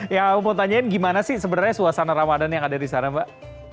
yang aku mau tanyain gimana sih sebenarnya suasana ramadan yang ada di sana mbak